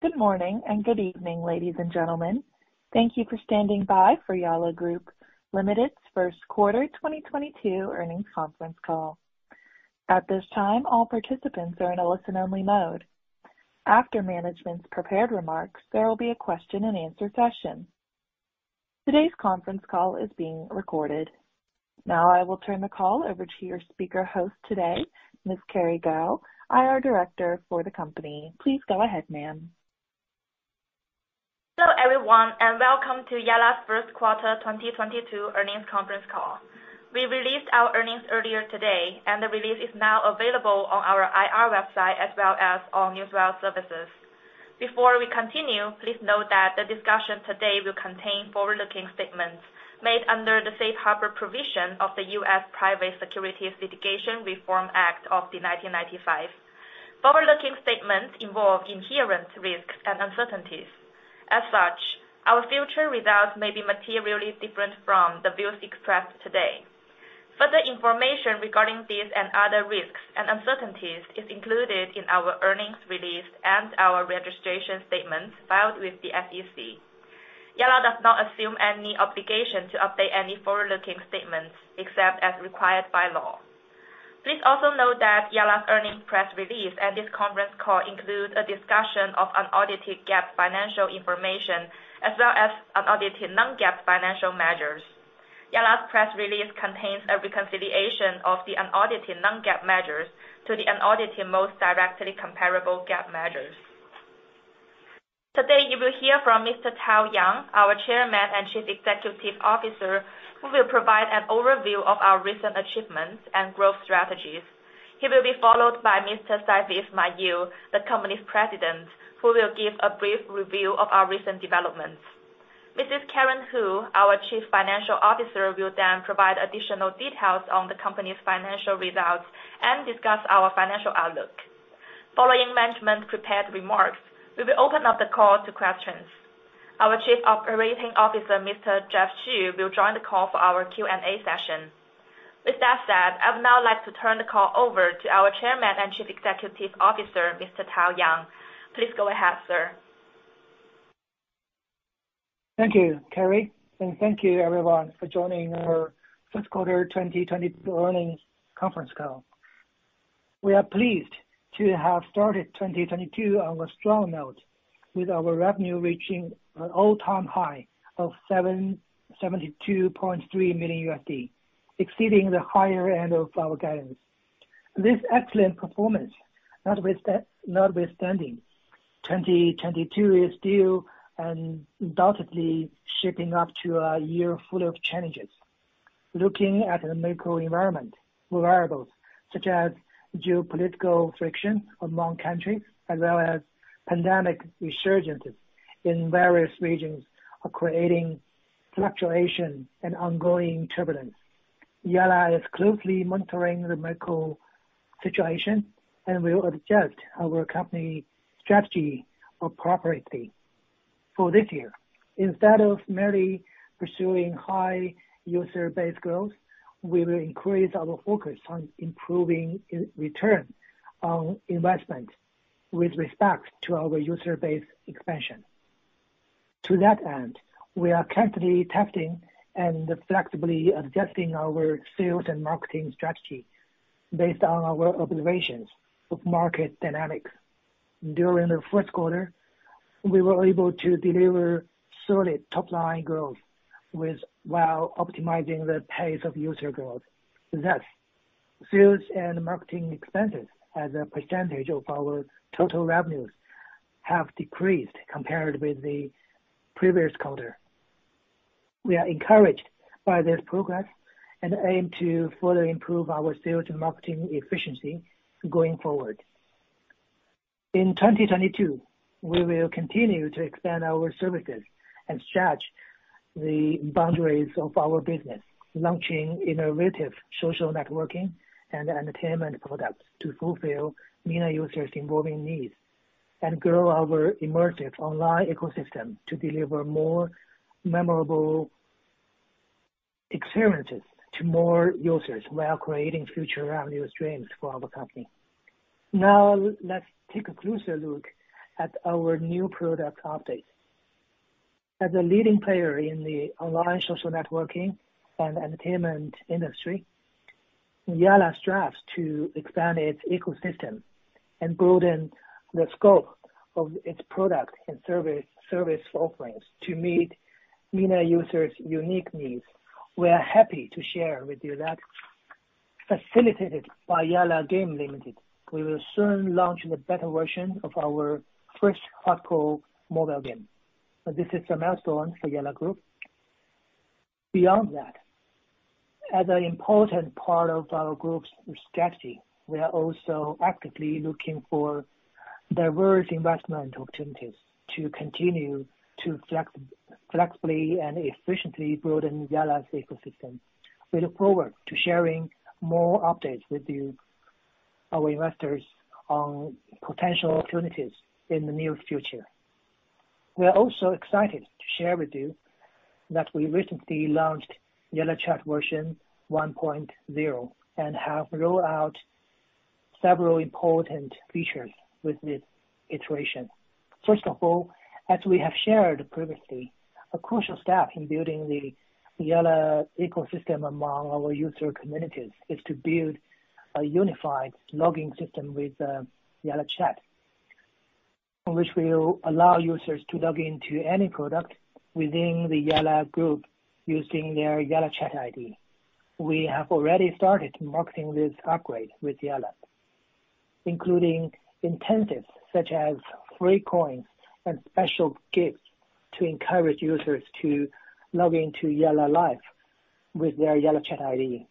Good morning and good evening, ladies and gentlemen. Thank you for standing by for Yalla Group Limited's first quarter 2022 earnings conference call. At this time, all participants are in a listen-only mode. After management's prepared remarks, there will be a question-and-answer session. Today's conference call is being recorded. Now I will turn the call over to your speaker host today, Ms. Kerry Gao, IR Director for the company. Please go ahead, ma'am. Hello, everyone, and welcome to Yalla's first quarter 2022 earnings conference call. We released our earnings earlier today, and the release is now available on our IR website as well as all news wire services. Before we continue, please note that the discussion today will contain forward-looking statements made under the safe harbor provision of the U.S. Private Securities Litigation Reform Act of 1995. Forward-looking statements involve inherent risks and uncertainties. As such, our future results may be materially different from the views expressed today. Further information regarding these and other risks and uncertainties is included in our earnings release and our registration statements filed with the SEC. Yalla does not assume any obligation to update any forward-looking statements except as required by law. Please also note that Yalla's earnings press release and this conference call includes a discussion of unaudited GAAP financial information, as well as unaudited non-GAAP financial measures. Yalla's press release contains a reconciliation of the unaudited non-GAAP measures to the unaudited most directly comparable GAAP measures. Today, you will hear from Mr. Tao Yang, our Chairman and Chief Executive Officer, who will provide an overview of our recent achievements and growth strategies. He will be followed by Mr. Saifi Ismail, the company's President, who will give a brief review of our recent developments. Mrs. Karen Hu, our Chief Financial Officer, will then provide additional details on the company's financial results and discuss our financial outlook. Following management prepared remarks, we will open up the call to questions. Our Chief Operating Officer, Mr. Jeff Xu, will join the call for our Q&A session. With that said, I would now like to turn the call over to our Chairman and Chief Executive Officer, Mr. Tao Yang. Please go ahead, sir. Thank you, Kerry, and thank you everyone for joining our first quarter 2022 earnings conference call. We are pleased to have started 2022 on a strong note with our revenue reaching an all-time high of $72.3 million, exceeding the higher end of our guidance. This excellent performance, notwithstanding, 2022 is still undoubtedly shaping up to a year full of challenges. Looking at the macro environment variables such as geopolitical friction among countries as well as pandemic resurgence in various regions are creating fluctuation and ongoing turbulence. Yalla is closely monitoring the macro situation and will adjust our company strategy appropriately for this year. Instead of merely pursuing high user base growth, we will increase our focus on improving return on investment with respect to our user base expansion. To that end, we are constantly testing and flexibly adjusting our sales and marketing strategy based on our observations of market dynamics. During the first quarter, we were able to deliver solid top-line growth while optimizing the pace of user growth. Thus, sales and marketing expenses as a percentage of our total revenues have decreased compared with the previous quarter. We are encouraged by this progress and aim to further improve our sales and marketing efficiency going forward. In 2022, we will continue to expand our services and stretch the boundaries of our business, launching innovative social networking and entertainment products to fulfill MENA users' evolving needs and grow our immersive online ecosystem to deliver more memorable experiences to more users while creating future revenue streams for our company. Now, let's take a closer look at our new product updates. As a leading player in the online social networking and entertainment industry, Yalla strives to expand its ecosystem and broaden the scope of its product and service offerings to meet MENA users' unique needs. We are happy to share with you that, facilitated by YallaGame Limited, we will soon launch the beta version of our first hardcore mobile game. This is a milestone for Yalla Group. Beyond that, as an important part of our group's strategy, we are also actively looking for diverse investment opportunities to continue to flexibly and efficiently broaden Yalla's ecosystem. We look forward to sharing more updates with you, our investors, on potential opportunities in the near future. We are also excited to share with you that we recently launched YallaChat version 1.0, and have rolled out several important features with this iteration. First of all, as we have shared previously, a crucial step in building the Yalla ecosystem among our user communities is to build a unified login system with YallaChat. On which we will allow users to log into any product within the Yalla Group using their YallaChat ID. We have already started marketing this upgrade with Yalla, including incentives such as free coins and special gifts to encourage users to log into Yalla Live with their YallaChat ID.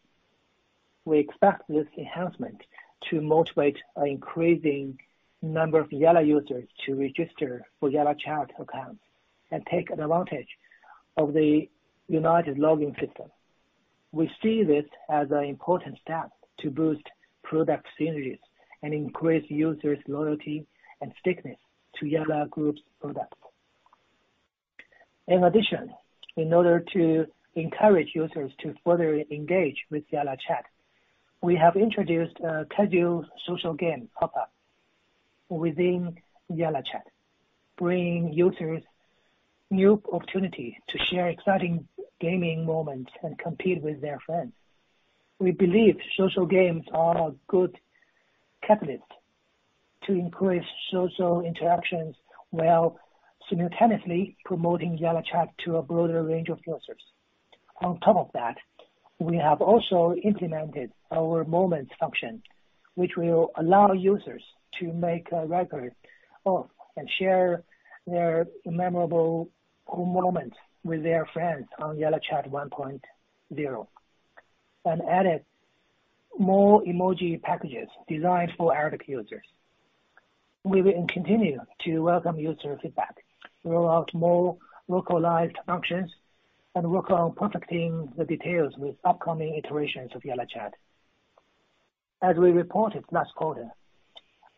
We expect this enhancement to motivate an increasing number of Yalla users to register for YallaChat accounts and take advantage of the unified login system. We see this as an important step to boost product synergies and increase users' loyalty and stickiness to Yalla Group's product. In addition, in order to encourage users to further engage with YallaChat, we have introduced a casual social game pop-up within YallaChat, bringing users new opportunity to share exciting gaming moments and compete with their friends. We believe social games are a good catalyst to increase social interactions while simultaneously promoting YallaChat to a broader range of users. On top of that, we have also implemented our moments function, which will allow users to make a record of, and share their memorable moments with their friends on YallaChat 1.0. Added more emoji packages designed for Arabic users. We will continue to welcome user feedback, roll out more localized functions, and work on perfecting the details with upcoming iterations of YallaChat. As we reported last quarter,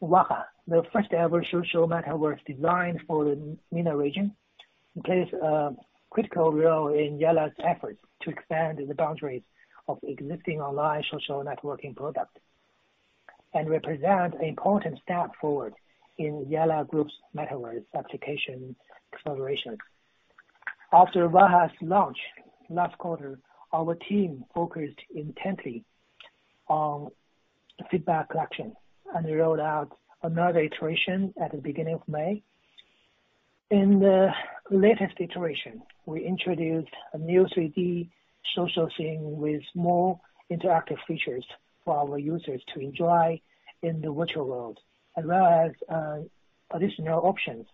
Waha, the first-ever social metaverse designed for the MENA region, plays a critical role in Yalla's efforts to expand the boundaries of existing online social networking product, and represent an important step forward in Yalla Group's metaverse application exploration. After Waha's launch last quarter, our team focused intently on feedback collection and rolled out another iteration at the beginning of May. In the latest iteration, we introduced a new 3D social scene with more interactive features for our users to enjoy in the virtual world, as well as additional options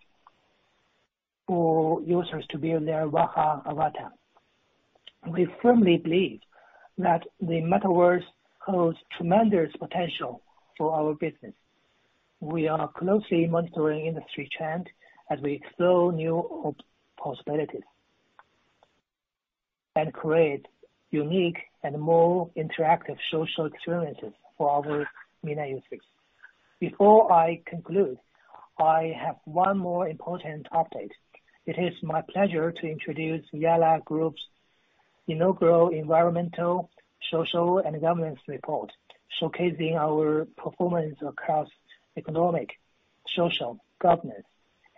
for users to build their Waha avatar. We firmly believe that the Metaverse holds tremendous potential for our business. We are closely monitoring industry trends as we explore new possibilities and create unique and more interactive social experiences for our MENA users. Before I conclude, I have one more important update. It is my pleasure to introduce Yalla Group's inaugural environmental, social, and governance report, showcasing our performance across economic, social, governance,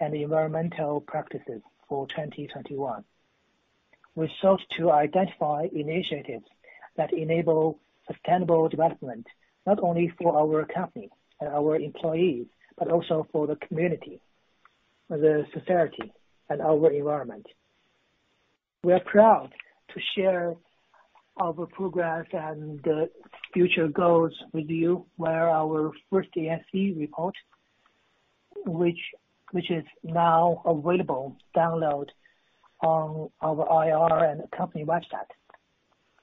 and environmental practices for 2021. We sought to identify initiatives that enable sustainable development, not only for our company and our employees, but also for the community, the society, and our environment. We are proud to share our progress and future goals with you via our first ESG report, which is now available for download on our IR and company website.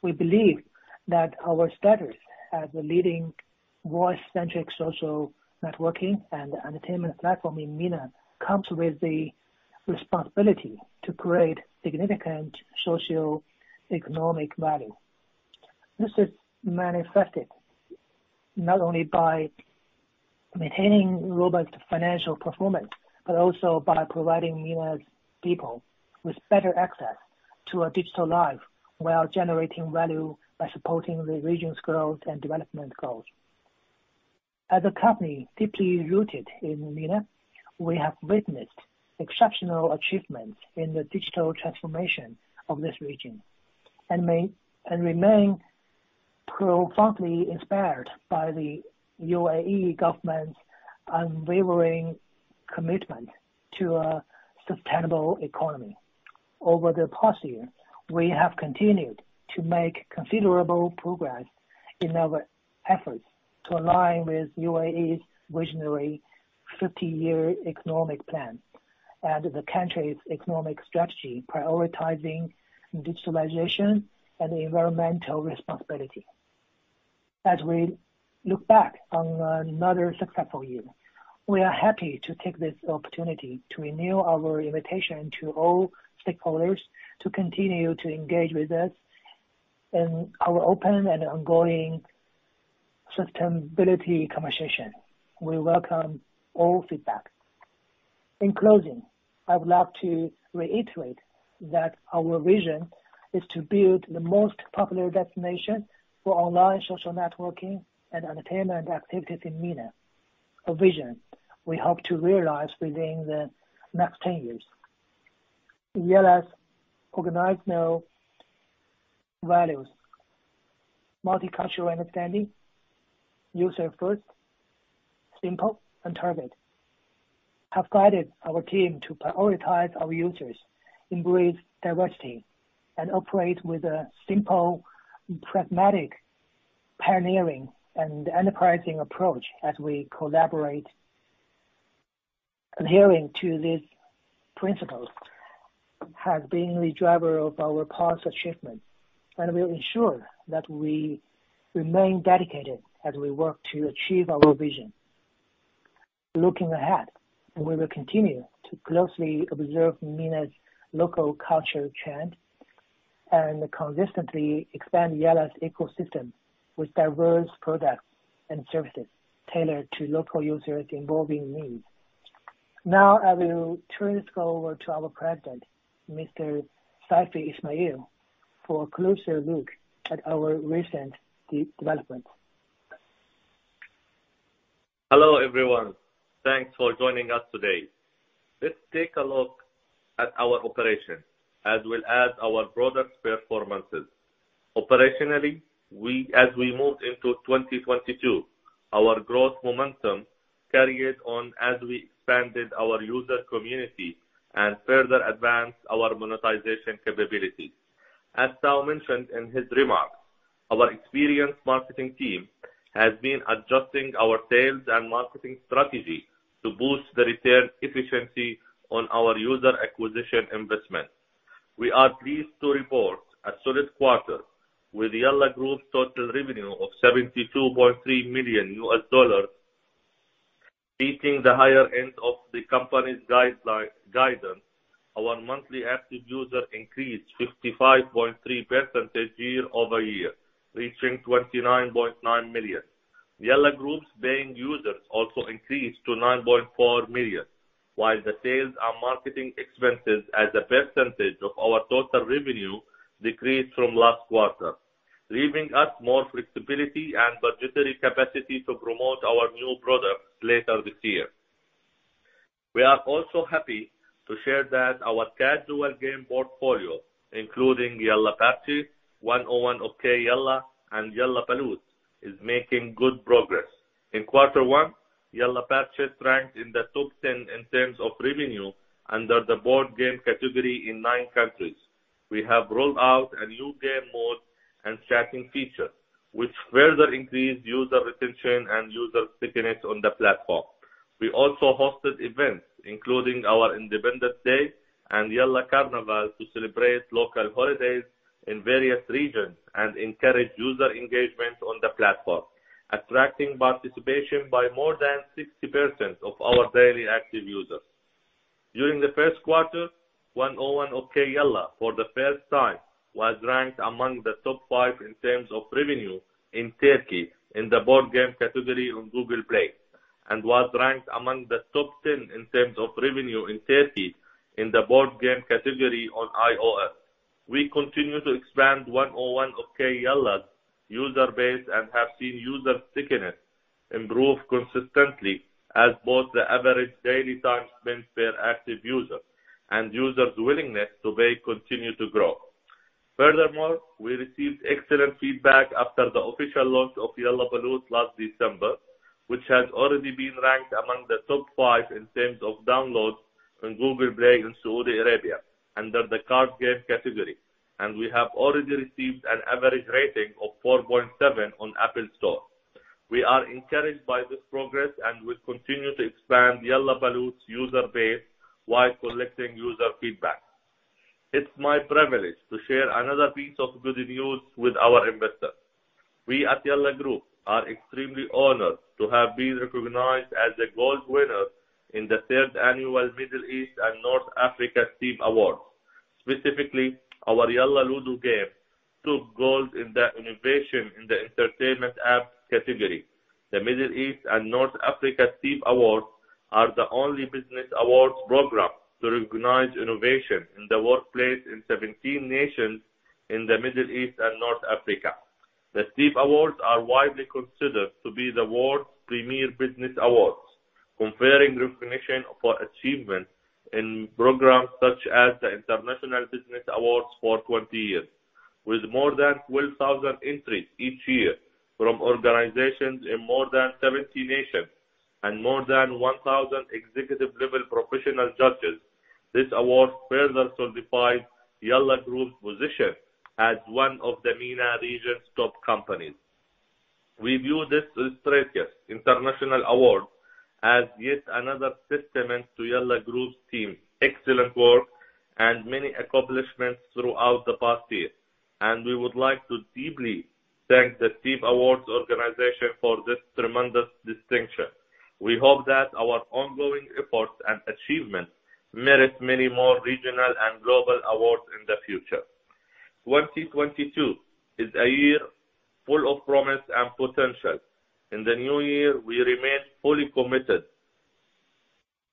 We believe that our status as a leading voice-centric social networking and entertainment platform in MENA comes with the responsibility to create significant socioeconomic value. This is manifested not only by maintaining robust financial performance, but also by providing MENA's people with better access to a digital life while generating value by supporting the region's growth and development goals. As a company deeply rooted in MENA, we have witnessed exceptional achievements in the digital transformation of this region and remain profoundly inspired by the UAE government's unwavering commitment to a sustainable economy. Over the past year, we have continued to make considerable progress in our efforts to align with UAE's visionary 50-year economic plan and the country's economic strategy, prioritizing digitalization and environmental responsibility. As we look back on another successful year, we are happy to take this opportunity to renew our invitation to all stakeholders to continue to engage with us in our open and ongoing sustainability conversation. We welcome all feedback. In closing, I would love to reiterate that our vision is to build the most popular destination for online social networking and entertainment activities in MENA. A vision we hope to realize within the next 10 years. Yalla's organizational values: multicultural understanding, user first, simple, and target, have guided our team to prioritize our users, embrace diversity, and operate with a simple, pragmatic, pioneering, and enterprising approach as we collaborate. Adhering to these principles has been the driver of our past achievements, and we ensure that we remain dedicated as we work to achieve our vision. Looking ahead, we will continue to closely observe MENA's local cultural trends and consistently expand Yalla's ecosystem with diverse products and services tailored to local users' evolving needs. Now I will turn this call over to our President, Mr. Saifi Ismail, for a closer look at our recent development. Hello, everyone. Thanks for joining us today. Let's take a look at our operations, as well as our product performances. Operationally, we moved into 2022, our growth momentum carried on as we expanded our user community and further advanced our monetization capabilities. As Tao mentioned in his remarks, our experienced marketing team has been adjusting our sales and marketing strategy to boost the return efficiency on our user acquisition investment. We are pleased to report a solid quarter with Yalla Group's total revenue of $72.3 million, beating the higher end of the company's guidance. Our monthly active user increased 55.3% year-over-year, reaching 29.9 million. Yalla Group's paying users also increased to 9.4 million, while the sales and marketing expenses as a percentage of our total revenue decreased from last quarter, leaving us more flexibility and budgetary capacity to promote our new products later this year. We are also happy to share that our casual game portfolio, including Yalla Parchis, 101 Okey Yalla, and Yalla Baloot, is making good progress. In quarter one, Yalla Parchis ranked in the top 10 in terms of revenue under the board game category in 9 countries. We have rolled out a new game mode and chatting feature, which further increased user retention and user stickiness on the platform. We also hosted events, including our Independence Day and Yalla Carnival to celebrate local holidays in various regions and encourage user engagement on the platform, attracting participation by more than 60% of our daily active users. During the first quarter, 101 Okey Yalla, for the first time, was ranked among the top five in terms of revenue in Turkey in the board game category on Google Play, and was ranked among the top 10 in terms of revenue in Turkey in the board game category on iOS. We continue to expand 101 Okey Yalla's user base and have seen user stickiness improve consistently as both the average daily time spent per active user and users' willingness to pay continue to grow. Furthermore, we received excellent feedback after the official launch of Yalla Baloot last December, which has already been ranked among the top five in terms of downloads on Google Play in Saudi Arabia under the card game category, and we have already received an average rating of 4.7 on App Store. We are encouraged by this progress and will continue to expand Yalla Baloot's user base while collecting user feedback. It's my privilege to share another piece of good news with our investors. We at Yalla Group are extremely honored to have been recognized as the gold winner in the third annual Middle East and North Africa Stevie Awards. Specifically, our Yalla Ludo game took gold in the innovation in the entertainment app category. The Middle East and North Africa Stevie Awards are the only business awards program to recognize innovation in the workplace in 17 nations in the Middle East and North Africa. The Stevie Awards are widely considered to be the world's premier business awards, conferring recognition for achievement in programs such as the International Business Awards for 20 years. With more than 12,000 entries each year from organizations in more than 70 nations and more than 1,000 executive-level professional judges, this award further solidifies Yalla Group's position as one of the MENA region's top companies. We view this prestigious international award as yet another testament to Yalla Group's team, excellent work, and many accomplishments throughout the past year. We would like to deeply thank the Stevie Awards organization for this tremendous distinction. We hope that our ongoing efforts and achievements merit many more regional and global awards in the future. 2022 is a year full of promise and potential. In the new year, we remain fully committed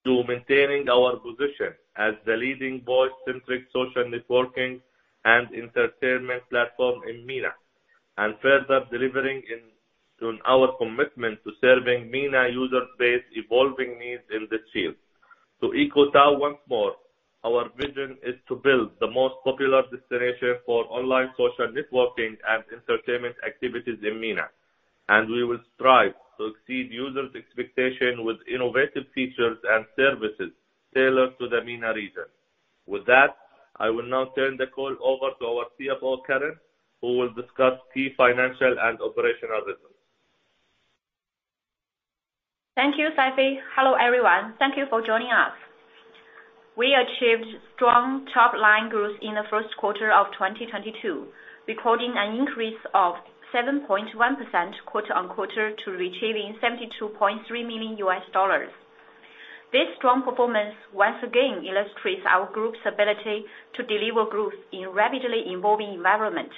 to maintaining our position as the leading voice-centric social networking and entertainment platform in MENA, and further delivering on our commitment to serving MENA user base evolving needs in this field. To echo Tao Yang once more, our vision is to build the most popular destination for online social networking and entertainment activities in MENA, and we will strive to exceed users' expectation with innovative features and services tailored to the MENA region. With that, I will now turn the call over to our CFO, Karen Hu, who will discuss key financial and operational results. Thank you, Saifi. Hello, everyone. Thank you for joining us. We achieved strong top-line growth in the first quarter of 2022, recording an increase of 7.1% quarter-over-quarter to reaching $72.3 million. This strong performance once again illustrates our group's ability to deliver growth in a rapidly evolving environment.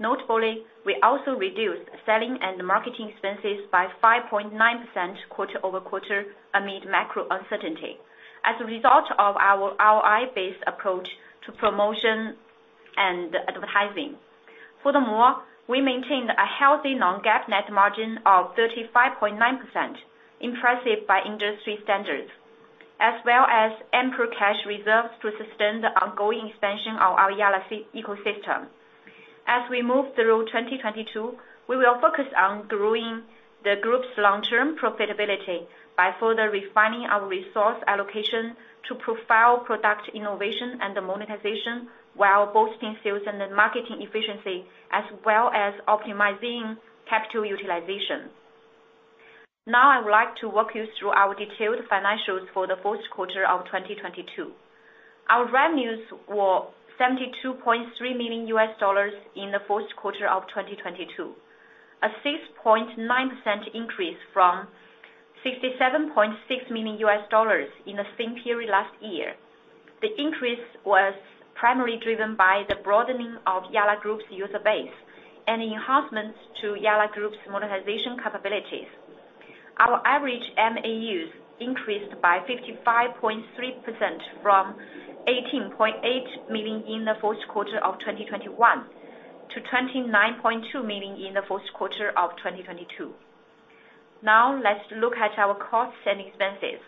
Notably, we also reduced selling and marketing expenses by 5.9% quarter-over-quarter amid macro uncertainty as a result of our ROI-based approach to promotion and advertising. Furthermore, we maintained a healthy non-GAAP net margin of 35.9%, impressive by industry standards, as well as ample cash reserves to sustain the ongoing expansion of our Yalla ecosystem. As we move through 2022, we will focus on growing the group's long-term profitability by further refining our resource allocation to profile product innovation and monetization while boosting sales and marketing efficiency as well as optimizing capital utilization. Now I would like to walk you through our detailed financials for the fourth quarter of 2022. Our revenues were $72.3 million in the fourth quarter of 2022, a 6.9% increase from $67.6 million in the same period last year. The increase was primarily driven by the broadening of Yalla Group's user base and enhancements to Yalla Group's monetization capabilities. Our average MAUs increased by 55.3% from 18.8 million in the fourth quarter of 2021 to 29.2 million in the fourth quarter of 2022. Now let's look at our costs and expenses.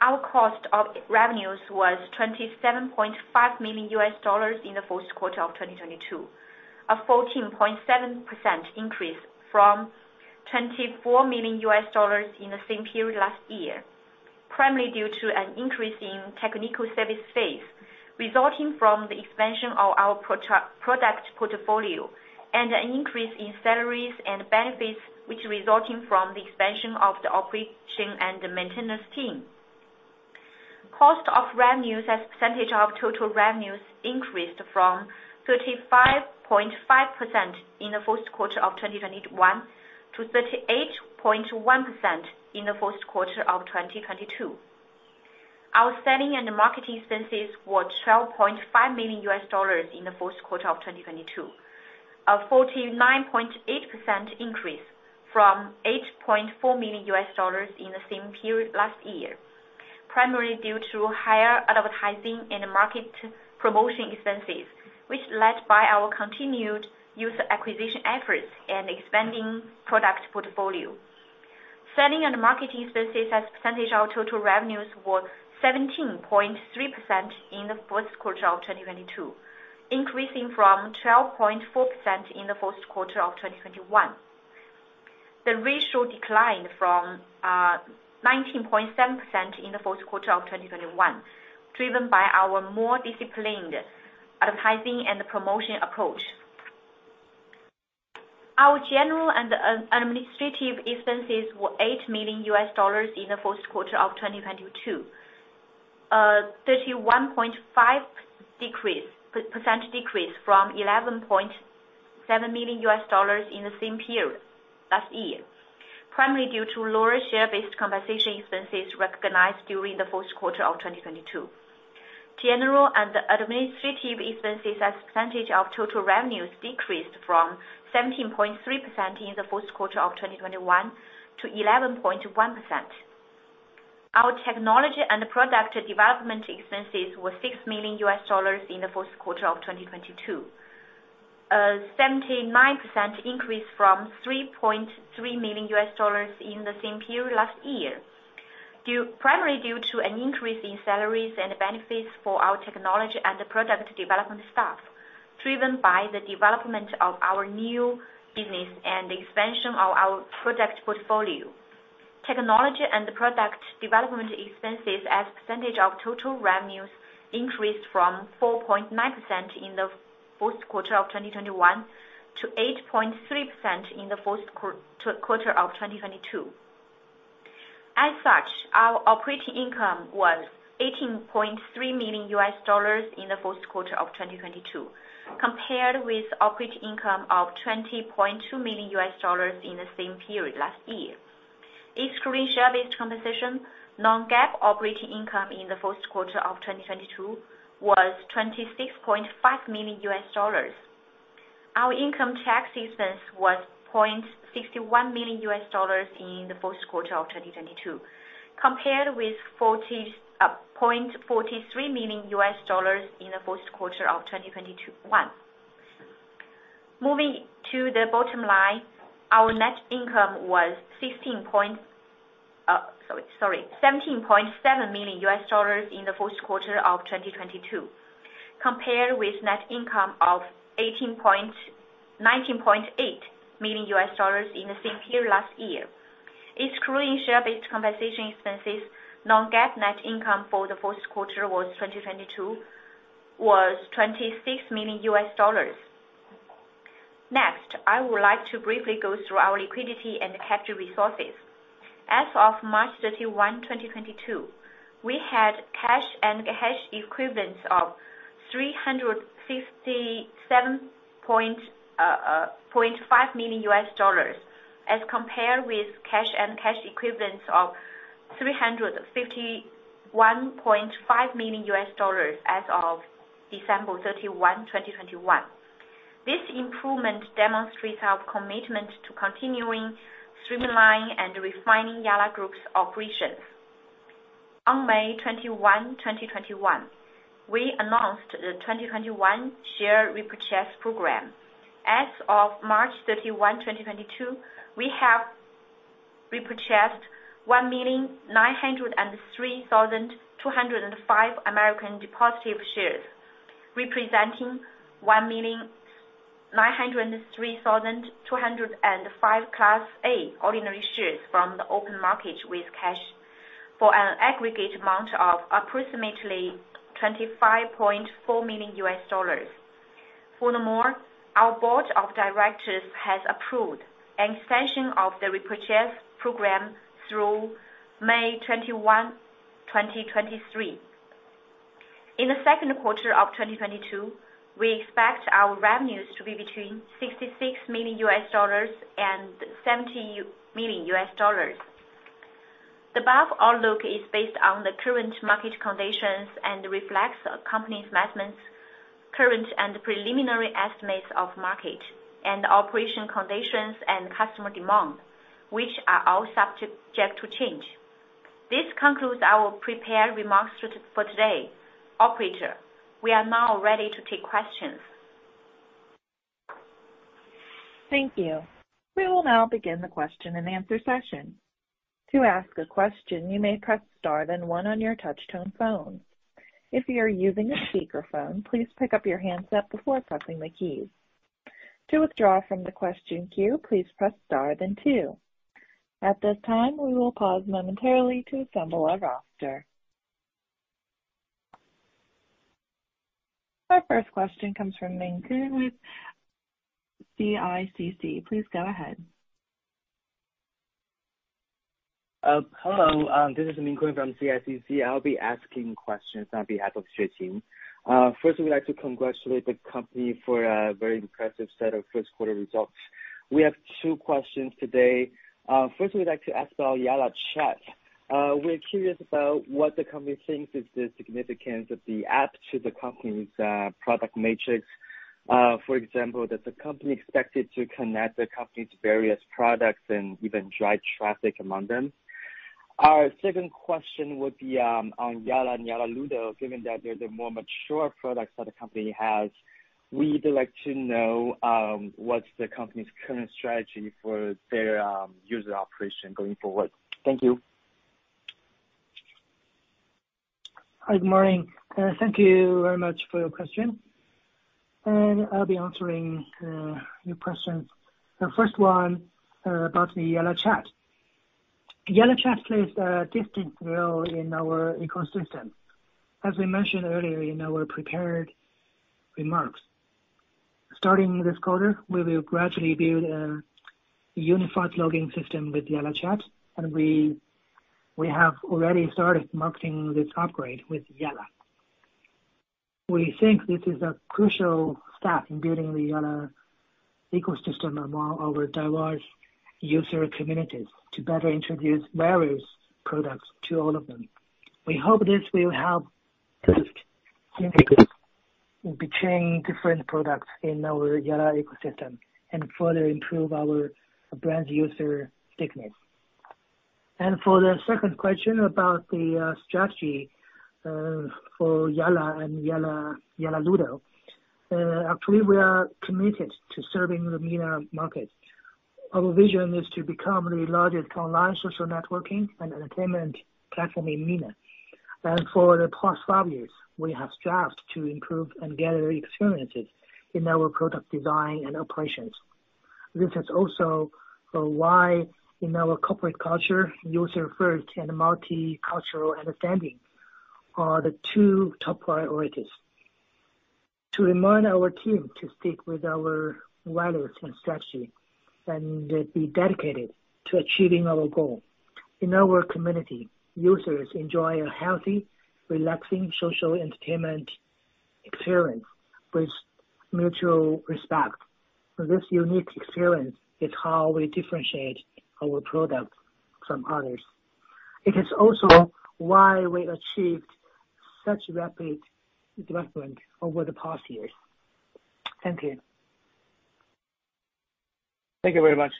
Our cost of revenues was $27.5 million in the fourth quarter of 2022, a 14.7% increase from $24 million in the same period last year, primarily due to an increase in technical service fees resulting from the expansion of our product portfolio and an increase in salaries and benefits which resulting from the expansion of the operation and the maintenance team. Cost of revenues as a percentage of total revenues increased from 35.5% in the fourth quarter of 2021 to 38.1% in the fourth quarter of 2022. Our selling and marketing expenses were $12.5 million in the fourth quarter of 2022, a 49.8% increase from $8.4 million in the same period last year, primarily due to higher advertising and market promotion expenses, which led by our continued user acquisition efforts and expanding product portfolio. Selling and marketing expenses as a percentage of total revenues were 17.3% in the fourth quarter of 2022, increasing from 12.4% in the fourth quarter of 2021. The ratio declined from 19.7% in the fourth quarter of 2021, driven by our more disciplined advertising and promotion approach. Our general and administrative expenses were $8 million in the first quarter of 2022, 31.5% decrease from $11.7 million in the same period last year, primarily due to lower share-based compensation expenses recognized during the first quarter of 2022. General and administrative expenses as a percentage of total revenues decreased from 17.3% in the first quarter of 2021 to 11.1%. Our technology and product development expenses were $6 million in the first quarter of 2022, a 79% increase from $3.3 million in the same period last year, primarily due to an increase in salaries and benefits for our technology and product development staff, driven by the development of our new business and expansion of our product portfolio. Technology and product development expenses as a percentage of total revenues increased from 4.9% in the first quarter of 2021 to 8.3% in the first quarter of 2022. Our operating income was $18.3 million in the first quarter of 2022, compared with operating income of $20.2 million in the same period last year. Excluding share-based compensation, non-GAAP operating income in the first quarter of 2022 was $26.5 million. Our income tax expense was $0.61 million in the first quarter of 2022, compared with $0.43 million in the first quarter of 2021. Moving to the bottom line, our net income was $17.7 million in the first quarter of 2022, compared with net income of $19.8 million in the same period last year. Excluding share-based compensation expenses, non-GAAP net income for the first quarter of 2022 was $26 million. Next, I would like to briefly go through our liquidity and cash resources. As of March 31, 2022, we had cash and cash equivalents of $357.5 million as compared with cash and cash equivalents of $351.5 million as of December 31, 2021. This improvement demonstrates our commitment to continuing streamlining and refining Yalla Group's operations. On May 21, 2021, we announced the 2021 share repurchase program. As of March 31, 2022, we have repurchased 1,903,205 American depositary shares, representing 1,903,205 Class A ordinary shares from the open market with cash for an aggregate amount of approximately $25.4 million. Furthermore, our board of directors has approved an extension of the repurchase program through May 21, 2023. In the second quarter of 2022, we expect our revenues to be between $66 million and $70 million. The above outlook is based on the current market conditions and reflects the company's management's current and preliminary estimates of market and operation conditions and customer demand, which are all subject to change. This concludes our prepared remarks for today. Operator, we are now ready to take questions. Thank you. We will now begin the question and answer session. To ask a question, you may press star then one on your touchtone phone. If you are using a speakerphone, please pick up your handset before pressing the keys. To withdraw from the question queue, please press star then two. At this time, we will pause momentarily to assemble our roster. Our first question comes from Lincoln Kong with CICC. Please go ahead. Hello, this is Lincoln Kong from CICC. I'll be asking questions on behalf of Xueqing Zhang. First we'd like to congratulate the company for a very impressive set of first quarter results. We have two questions today. First, we'd like to ask about Yalla Chat. We're curious about what the company thinks is the significance of the app to the company's product matrix. For example, does the company expect it to connect the company's various products and even drive traffic among them? Our second question would be on Yalla and Yalla Ludo. Given that they're the more mature products that the company has, we'd like to know what's the company's current strategy for their user operation going forward. Thank you. Hi, good morning. Thank you very much for your question, and I'll be answering your questions. The first one about the Yalla Chat. Yalla Chat plays a distinct role in our ecosystem. As we mentioned earlier in our prepared remarks, starting this quarter, we will gradually build a unified login system with Yalla Chat, and we have already started marketing this upgrade with Yalla. We think this is a crucial step in building the Yalla ecosystem among our diverse user communities to better introduce various products to all of them. We hope this will help boost synergies between different products in our Yalla ecosystem and further improve our brand user stickiness. For the second question about the strategy for Yalla and Yalla Ludo. Actually we are committed to serving the MENA market. Our vision is to become the largest online social networking and entertainment platform in MENA. For the past five years, we have strived to improve and gather experiences in our product design and operations. This is also why in our corporate culture, user first and multicultural understanding are the two top priorities. To remind our team to stick with our values and strategy and be dedicated to achieving our goal. In our community, users enjoy a healthy, relaxing social entertainment. Experience with mutual respect. This unique experience is how we differentiate our product from others. It is also why we achieved such rapid development over the past years. Thank you. Thank you very much.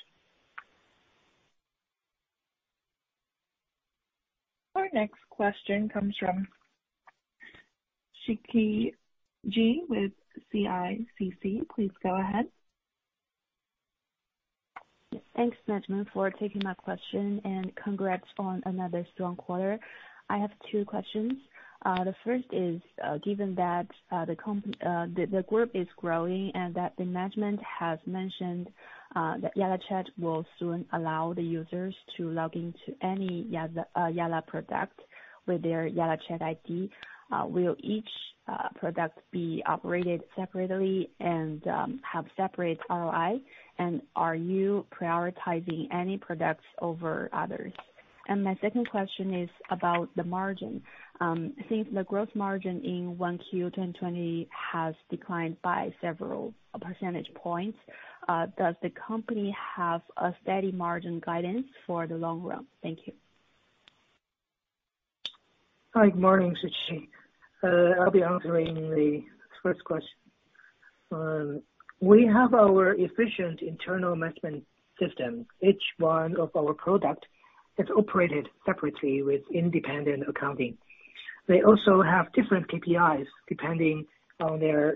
Our next question comes from Shiqi Jin with CITIC. Please go ahead. Thanks management for taking my question and congrats on another strong quarter. I have two questions. The first is, given that, the group is growing and that the management has mentioned that YallaChat will soon allow the users to log into any Yalla product with their YallaChat ID, will each product be operated separately and have separate ROI? And are you prioritizing any products over others? And my second question is about the margin. Since the gross margin in 1Q 2020 has declined by several percentage points, does the company have a steady margin guidance for the long run? Thank you. Hi. Good morning, Shiqi. I'll be answering the first question. We have our efficient internal management system. Each one of our product is operated separately with independent accounting. They also have different KPIs depending on their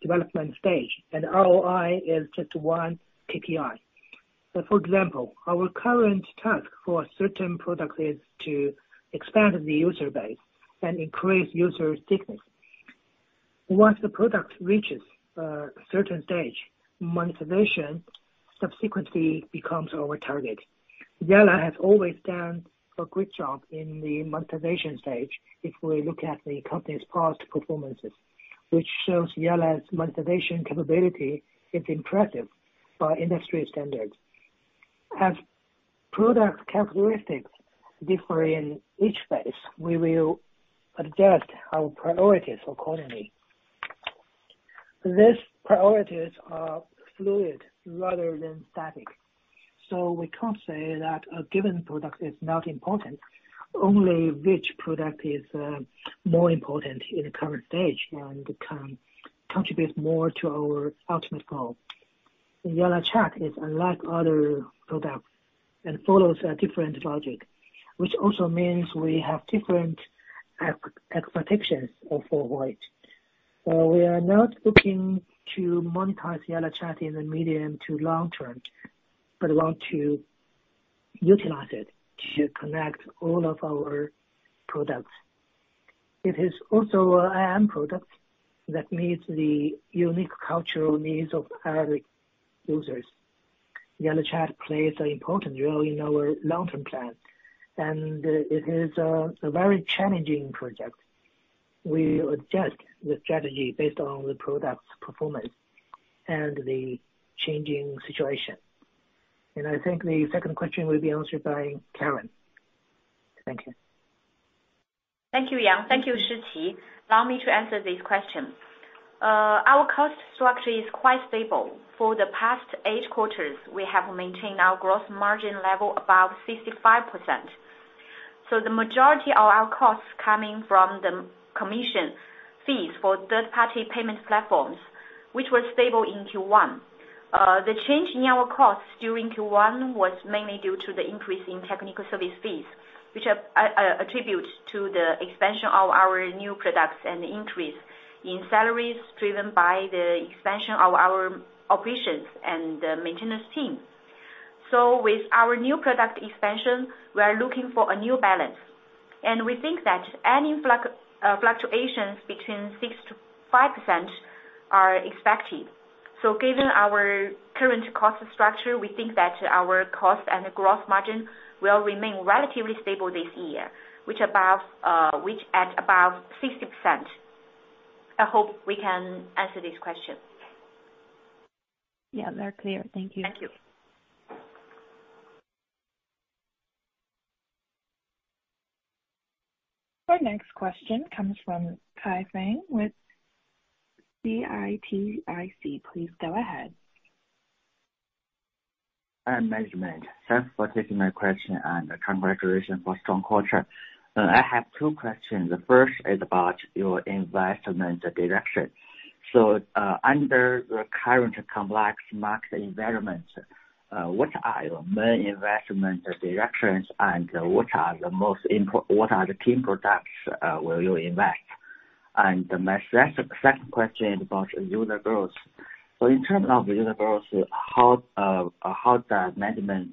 development stage, and ROI is just one KPI. For example, our current task for certain product is to expand the user base and increase user stickiness. Once the product reaches a certain stage, monetization subsequently becomes our target. Yalla has always done a great job in the monetization stage, if we look at the company's past performances, which shows Yalla's monetization capability is impressive by industry standards. As product characteristics differ in each phase, we will adjust our priorities accordingly. These priorities are fluid rather than static, so we can't say that a given product is not important. Only which product is more important in the current stage and can contribute more to our ultimate goal. YallaChat is unlike other products and follows a different logic, which also means we have different expectations for it. We are not looking to monetize YallaChat in the medium to long term, but want to utilize it to connect all of our products. It is also a IM product that meets the unique cultural needs of Arabic users. YallaChat plays an important role in our long-term plan, and it is a very challenging project. We adjust the strategy based on the product's performance and the changing situation. I think the second question will be answered by Karen. Thank you. Thank you, Yang. Thank you, Shiqi. Allow me to answer this question. Our cost structure is quite stable. For the past 8 quarters, we have maintained our gross margin level above 65%. The majority of our costs coming from the commission fees for third-party payment platforms, which were stable in Q1. The change in our costs during Q1 was mainly due to the increase in technical service fees, which attributed to the expansion of our new products and the increase in salaries driven by the expansion of our operations and the maintenance team. With our new product expansion, we are looking for a new balance, and we think that any fluctuations between 5%-6% are expected. Given our current cost structure, we think that our gross margin will remain relatively stable this year, which is above 60%. I hope we can answer this question. Yeah, they're clear. Thank you. Thank you. Our next question comes from Kaifang Jia with CITIC. Please go ahead. Management, thanks for taking my question and congratulations for strong quarter. I have two questions. The first is about your investment direction. Under the current complex market environment, what are your main investment directions, and what are the key products will you invest? My second question is about user growth. In terms of user growth, how does management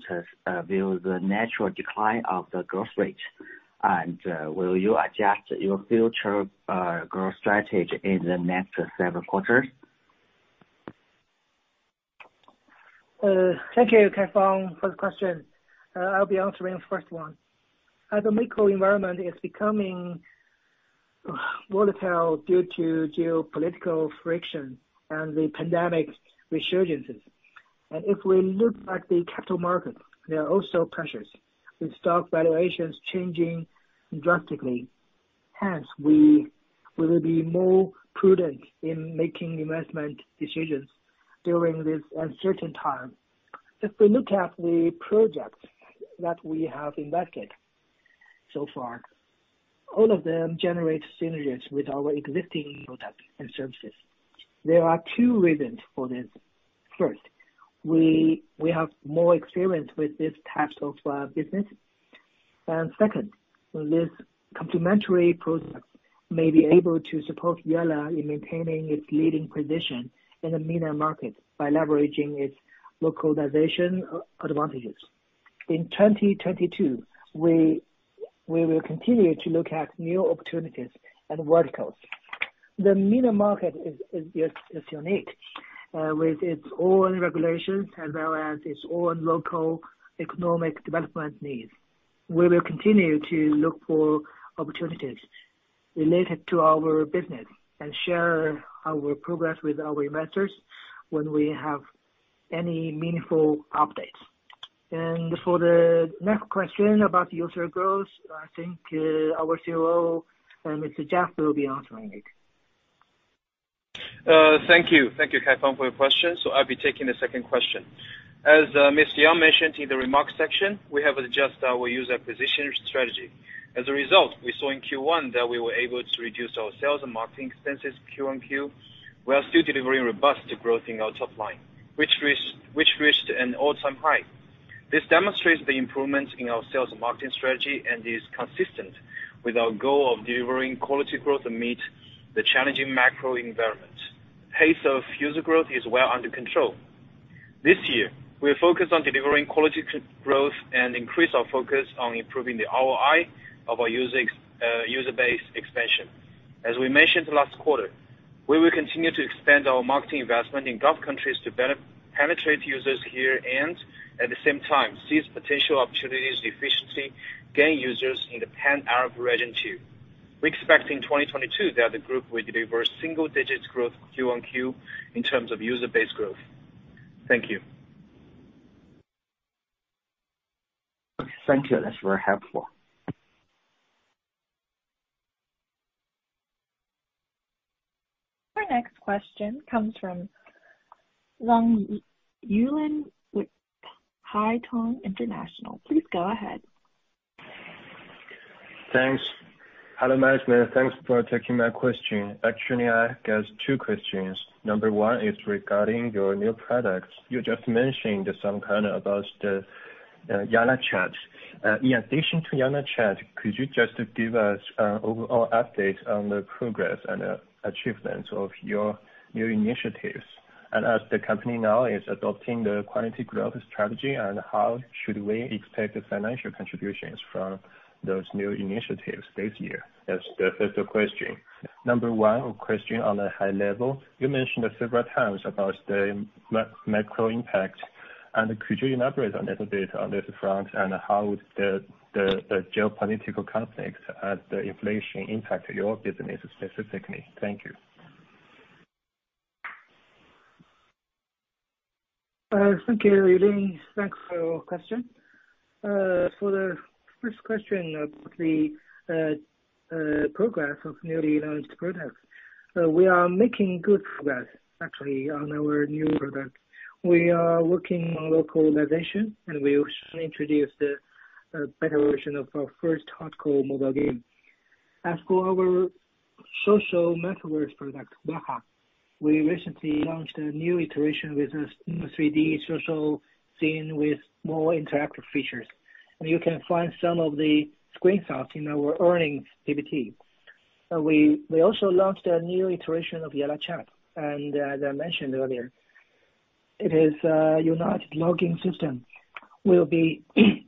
view the natural decline of the growth rate? Will you adjust your future growth strategy in the next several quarters? Thank you, Kaifang, for the question. I'll be answering the first one. As the macro environment is becoming volatile due to geopolitical friction and the pandemic resurgences. If we look at the capital market, there are also pressures with stock valuations changing drastically. Hence, we will be more prudent in making investment decisions during this uncertain time. If we look at the projects that we have invested so far, all of them generate synergies with our existing products and services. There are two reasons for this. First, we have more experience with this type of business. Second, these complementary products may be able to support Yalla in maintaining its leading position in the MENA market by leveraging its localization advantages. In 2022 we will continue to look at new opportunities and verticals. The MENA market is unique, with its own regulations as well as its own local economic development needs. We will continue to look for opportunities related to our business and share our progress with our investors when we have any meaningful updates. For the next question about user growth, I think, our COO, Mr. Jeff Xu will be answering it. Thank you. Thank you, Kaifang, for your question. I'll be taking the second question. As Mr. Yang mentioned in the remarks section, we have adjusted our user acquisition strategy. As a result, we saw in Q1 that we were able to reduce our sales and marketing expenses QOQ, while still delivering robust growth in our top line, which reached an all-time high. This demonstrates the improvements in our sales and marketing strategy and is consistent with our goal of delivering quality growth amid the challenging macro environment. Pace of user growth is well under control. This year, we are focused on delivering quality growth and increase our focus on improving the ROI of our user base expansion. As we mentioned last quarter, we will continue to expand our marketing investment in Gulf countries to better penetrate users here and at the same time seize potential opportunities to efficiently gain users in the Pan Arab region too. We expect in 2022 that the group will deliver single-digit growth QOQ in terms of user base growth. Thank you. Thank you. That's very helpful. Our next question comes from Zhong Yulin with Haitong International. Please go ahead. Thanks. Hello, management. Thanks for taking my question. Actually, I guess two questions. Number one is regarding your new products. You just mentioned something about the YallaChat. In addition to YallaChat, could you just give us an overall update on the progress and achievements of your new initiatives? As the company now is adopting the quality growth strategy, how should we expect the financial contributions from those new initiatives this year? That's the first question. Second question on a high level, you mentioned several times about the macro impact. Could you elaborate a little bit on this front, and how the geopolitical conflicts and the inflation impact your business specifically? Thank you. Thank you, Yulin. Thanks for your question. For the first question about the progress of newly launched products. We are making good progress actually on our new product. We are working on localization, and we will soon introduce the beta version of our first hardcore mobile game. As for our social metaverse product, Waha, we recently launched a new iteration with a new 3D social scene with more interactive features. You can find some of the screenshots in our earnings PPT. We also launched a new iteration of YallaChat. As I mentioned earlier, it is unified login system will be an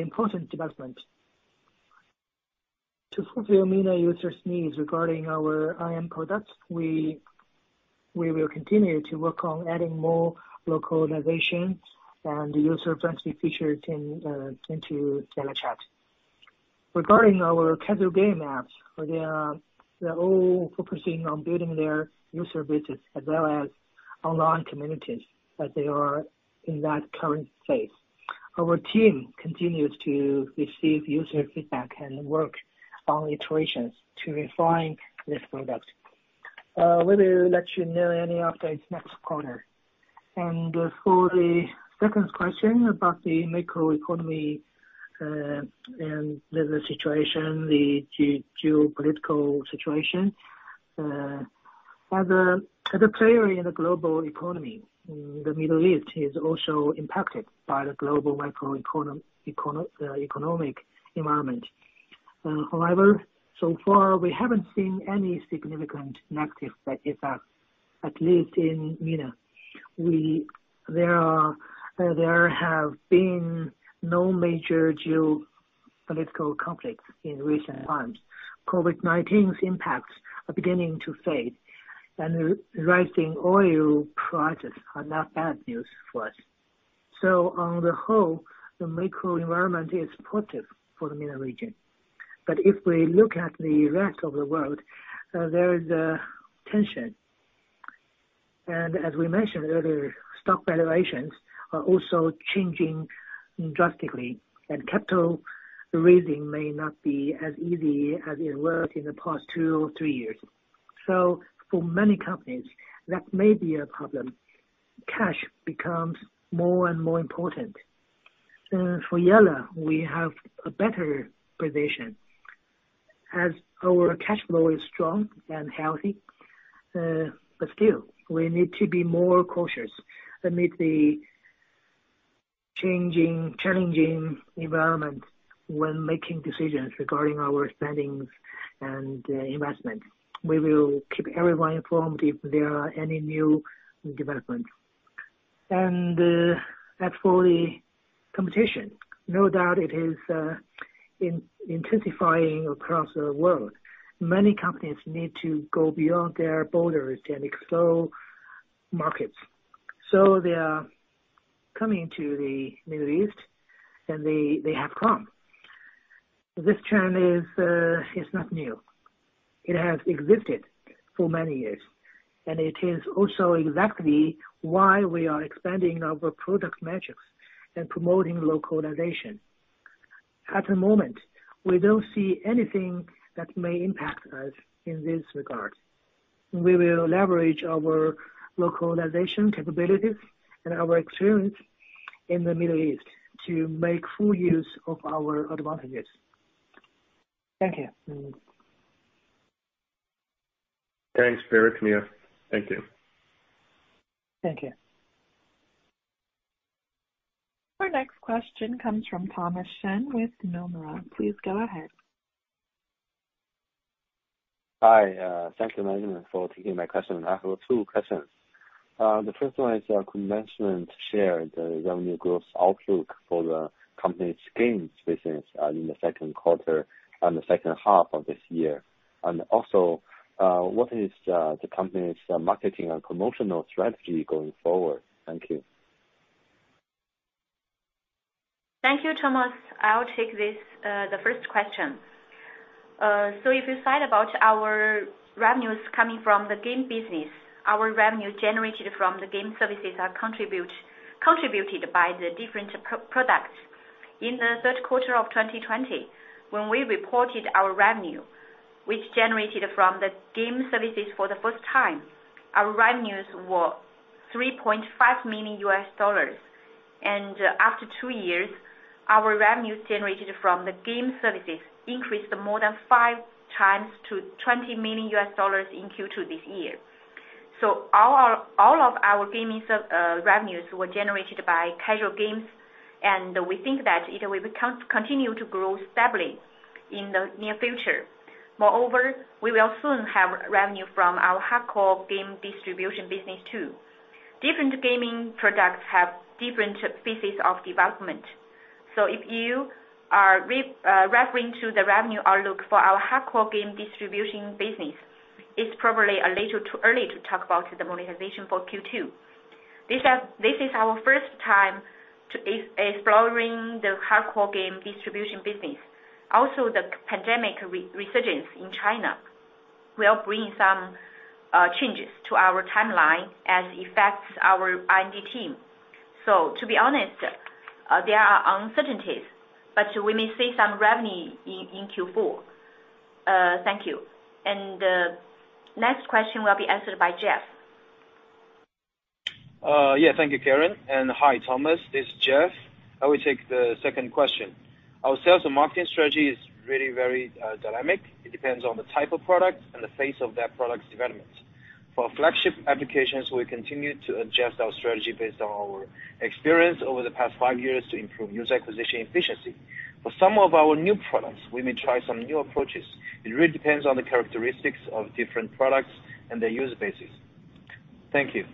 important development. To fulfill MENA users needs regarding our IM products, we will continue to work on adding more localization and user-friendly features into YallaChat. Regarding our casual game apps, they're all focusing on building their user bases as well as online communities as they are in that current phase. Our team continues to receive user feedback and work on iterations to refine this product. We will let you know any updates next quarter. For the second question about the macroeconomy and the situation, the geopolitical situation. As a player in the global economy, the Middle East is also impacted by the global economic environment. However, so far, we haven't seen any significant negative effects, at least in MENA. There have been no major geopolitical conflicts in recent times. COVID-19's impacts are beginning to fade, and rising oil prices are not bad news for us. On the whole, the macro environment is positive for the MENA region. If we look at the rest of the world, there is a tension. As we mentioned earlier, stock valuations are also changing drastically, and capital raising may not be as easy as it was in the past two or three years. For many companies, that may be a problem. Cash becomes more and more important. For Yalla, we have a better position as our cash flow is strong and healthy. But still, we need to be more cautious amid the changing, challenging environment when making decisions regarding our spending and investment. We will keep everyone informed if there are any new developments. As for the competition, no doubt it is intensifying across the world. Many companies need to go beyond their borders and explore markets. They are coming to the Middle East, and they have come. This trend is not new. It has existed for many years, and it is also exactly why we are expanding our product matrix and promoting localization. At the moment, we don't see anything that may impact us in this regard. We will leverage our localization capabilities and our experience in the Middle East to make full use of our advantages. Thank you. Thanks, very well. Thank you. Thank you. Our next question comes from Thomas Shen with Nomura. Please go ahead. Hi, thank you management for taking my question. I have two questions. The first one is, could management share the revenue growth outlook for the company's games business in the second quarter and the second half of this year? What is the company's marketing and promotional strategy going forward? Thank you. Thank you, Thomas. I'll take this, the first question. So if you thought about our revenues coming from the game business, our revenue generated from the game services contributed by the different products. In the third quarter of 2020, when we reported our revenue, which generated from the game services for the first time, our revenues were $3.5 million. After two years, our revenue generated from the game services increased more than 5 times to $20 million in Q2 this year. Our, all of our gaming revenues were generated by casual games, and we think that it will continue to grow steadily in the near future. Moreover, we will soon have revenue from our hardcore game distribution business too. Different gaming products have different phases of development. If you are referring to the revenue outlook for our hardcore game distribution business, it's probably a little too early to talk about the monetization for Q2. This is our first time to exploring the hardcore game distribution business. Also, the pandemic resurgence in China will bring some changes to our timeline and affects our R&D team. To be honest, there are uncertainties, but we may see some revenue in Q4. Thank you. Next question will be answered by Jeff Xu. Yeah. Thank you, Karen. Hi, Thomas. This is Jeff. I will take the second question. Our sales and marketing strategy is really very dynamic. It depends on the type of product and the phase of that product's development. For flagship applications, we continue to adjust our strategy based on our experience over the past five years to improve user acquisition efficiency. For some of our new products, we may try some new approaches. It really depends on the characteristics of different products and their user bases. Thank you,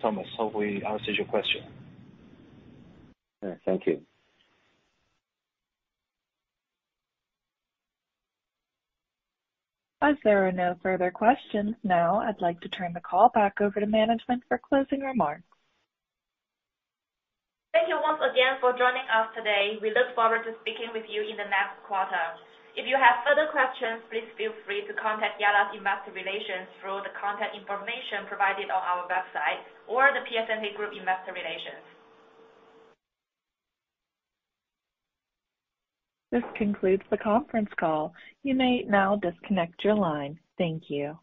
Thomas. Hope we answered your question. All right. Thank you. As there are no further questions, now I'd like to turn the call back over to management for closing remarks. Thank you once again for joining us today. We look forward to speaking with you in the next quarter. If you have further questions, please feel free to contact Yalla Investor Relations through the contact information provided on our website or the Piacente Investor Relations. This concludes the conference call. You may now disconnect your line. Thank you.